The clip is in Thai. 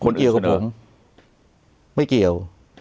เอี่ยวกับผมไม่เกี่ยว